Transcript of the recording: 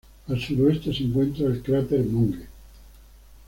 Al suroeste se encuentra el cráter Monge.